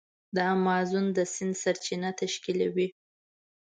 د امازون د سیند سرچینه تشکیلوي.